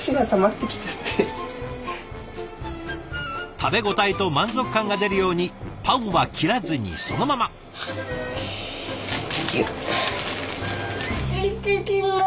食べ応えと満足感が出るようにパンは切らずにそのまま！いってきます。